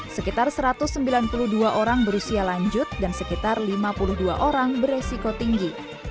sekitar satu ratus sembilan puluh dua orang berusia lanjut dan sekitar lima puluh dua orang beresiko tinggi